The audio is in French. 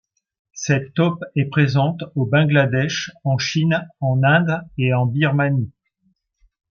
Cette taupe est présente au Bangladesh, en Chine, en Inde et en Birmanie.